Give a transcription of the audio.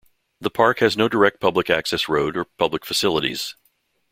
The Park has no direct public access road or public facilities.